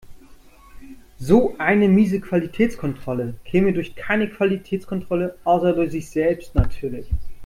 So eine miese Qualitätskontrolle käme durch keine Qualitätskontrolle, außer durch sich selbst natürlich.